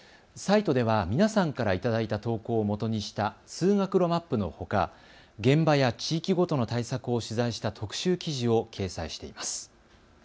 サイトでは皆さんからいただいた投稿をもとにした通学路マップのほか現場や地域ごとの対策を取材した特集記事を掲載しています。